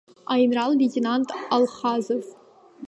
Аинрал-леитенант алхазов!